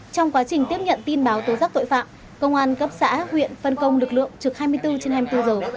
trong quá trình tiếp nhận tin báo tố rắc tội phạm công an cấp xã huyện phân công lực lượng trực hai mươi bốn trên hai mươi bốn giờ